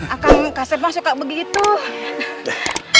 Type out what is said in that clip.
apabila berbicara dengan jelas akan berjalan ke sana